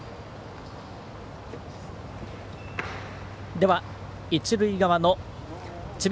では一塁側の智弁